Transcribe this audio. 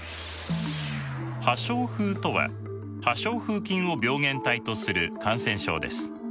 破傷風とは破傷風菌を病原体とする感染症です。